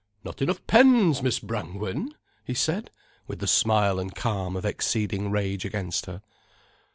"Not enough pens, Miss Brangwen?" he said, with the smile and calm of exceeding rage against her.